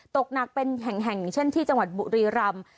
ตกหนักเป็นแห่งเช่นที่จังหวัดบุรีรำ